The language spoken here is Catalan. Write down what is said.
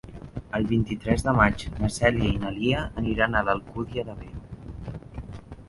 El vint-i-tres de maig na Cèlia i na Lia aniran a l'Alcúdia de Veo.